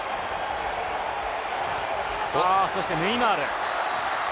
そしてネイマール。